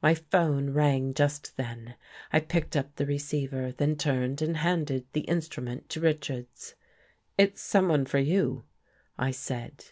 My 'phone rang just then. I picked up the re ceiver, then turned and handed the instrument to Richards. " It's someone for you," I said.